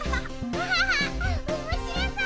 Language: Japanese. アハハおもしろそう！